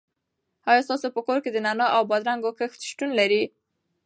آیا ستاسو په کور کې د نعناع او بادرنګو کښت شتون لري؟